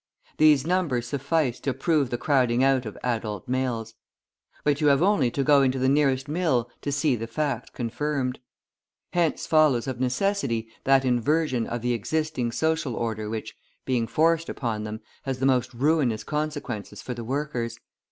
These numbers suffice to prove the crowding out of adult males. But you have only to go into the nearest mill to see the fact confirmed. Hence follows of necessity that inversion of the existing social order which, being forced upon them, has the most ruinous consequences for the workers.